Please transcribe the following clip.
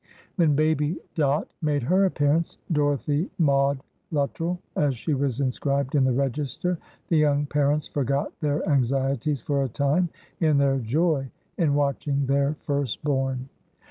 When baby Dot made her appearance Dorothy Maud Luttrell, as she was inscribed in the register the young parents forgot their anxieties for a time in their joy in watching their first born.